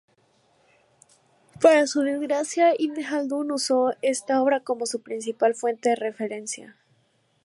Para su desgracia, Ibn Jaldún usó esta obra como su principal fuente de referencia.